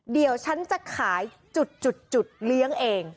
เดี๋ยวฉันจะขายจุดเลี้ยงเอง